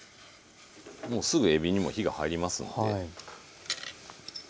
もうすぐえびにも火が入りますので。